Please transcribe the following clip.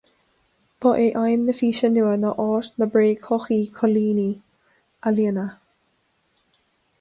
Ba é aidhm na físe nua ná áit na bréagshochaí coilíní a líonadh